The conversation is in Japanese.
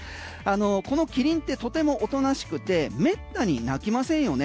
このキリンってとてもおとなしくてめったに鳴きませんよね。